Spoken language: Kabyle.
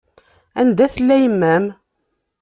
Anda tella yemma-m?